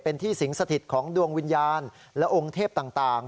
เป็นที่สิงสถิตของดวงวิญญาณและองค์เทพต่าง